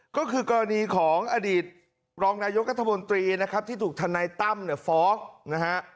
ก็คือกรณีของอดีตรองนายกัธมนตรีนะครับที่ถูกทนายตั้มเนี่ยฟ้องนะฮะ